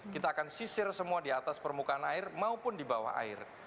kita akan sisir semua di atas permukaan air maupun di bawah air